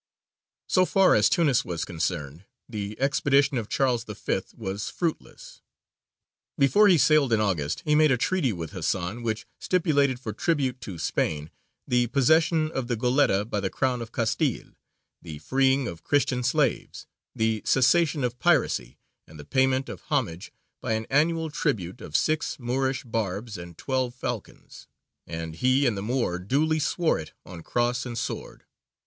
_ So far as Tunis was concerned the expedition of Charles V. was fruitless. Before he sailed in August he made a treaty with Hasan, which stipulated for tribute to Spain, the possession of the Goletta by the crown of Castile, the freeing of Christian slaves, the cessation of piracy, and the payment of homage by an annual tribute of six Moorish barbs and twelve falcons; and he and the Moor duly swore it on Cross and sword.